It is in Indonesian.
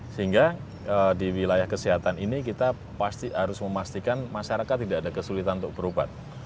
sehingga di wilayah kesehatan ini kita harus memastikan masyarakat tidak ada kesulitan untuk berobat